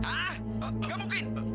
hah nggak mungkin